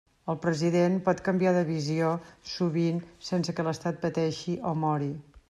El president pot canviar de visió sovint sense que l'Estat pateixi o mori.